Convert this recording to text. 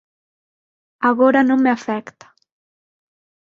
Agora non me afecta.